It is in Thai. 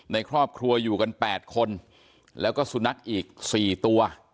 ในครอบครัวอยู่กัน๘คนแล้วก็สุนัขอีก๔ตัว